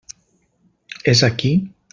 És aquí?